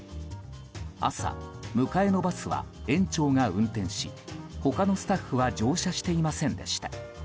朝、迎えのバスは園長が運転し他のスタッフは乗車していませんでした。